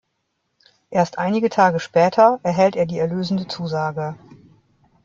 Erst einige Tage später erhält er die erlösende Zusage.